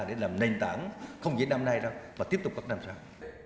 để làm nền tảng không chỉ năm nay đâu mà tiếp tục các năm sau